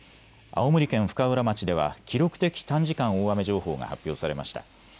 青森県深浦町では記録的短時間大雨情報が発表されました。